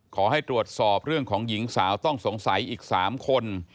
ขอให้ตรวจสอบเรื่องของหญิงสาวต้องสงสัยอีก๓คน